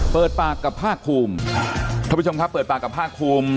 เปิดปากกับภาคภูมิท่านผู้ชมครับเปิดปากกับภาคภูมิ